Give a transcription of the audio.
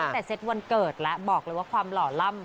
แต่เซ็ตวันเกิดแล้วบอกเลยว่าความหล่อล่ำ